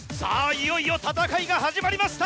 いよいよ戦いが始まりました。